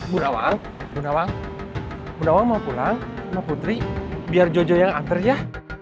bunda wang bunda wang bunda wang mau pulang sama putri biar jojo yang antar ya